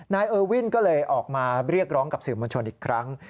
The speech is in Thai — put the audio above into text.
เออวินก็เลยออกมาเรียกร้องกับสื่อมวลชนอีกครั้ง